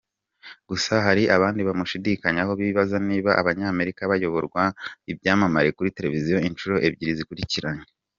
Gusa hari abandi bamushidikanyagaho bibaza niba Abanyamerika bayoborwa n’ibyamamare kuri Televiziyo inshuro ebyiri zikurikirana.